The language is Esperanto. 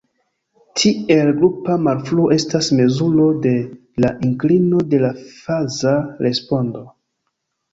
Tiel grupa malfruo estas mezuro de la inklino de la faza respondo.